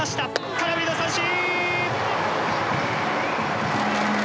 空振りの三振！」。